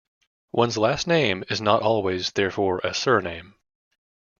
One's last name is not always, therefore, a surname.